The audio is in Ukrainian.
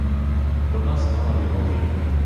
Вона знала його вже.